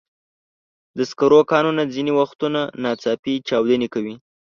د سکرو کانونه ځینې وختونه ناڅاپي چاودنې کوي.